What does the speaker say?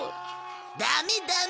ダメダメ。